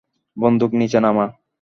বন্দুক নিচে নামা।